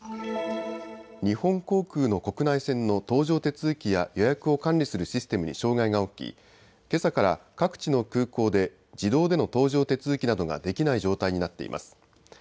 日本航空の国内線の搭乗手続きや予約を管理するシステムに障害が起きけさから各地の空港で自動での搭乗手続きなどができない状態になっています。